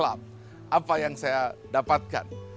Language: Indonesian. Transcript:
apa yang saya dapatkan